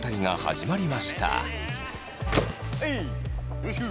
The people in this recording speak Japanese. よろしく！